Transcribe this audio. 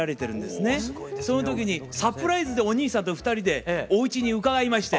その時にサプライズでおにいさんと２人でおうちに伺いまして。